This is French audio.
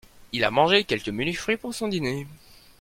Il a mangé quelques menus fruits pour son dîner.